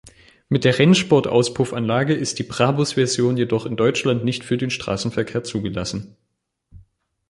Mit der Rennsport-Auspuffanlage ist die Brabus-Version jedoch in Deutschland nicht für den Straßenverkehr zugelassen.